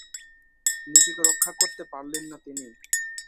নিজেকে রক্ষা করতে পারলেন না তিনি।